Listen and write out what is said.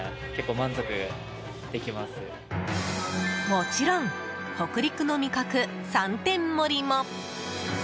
もちろん北陸の味覚三点盛りも！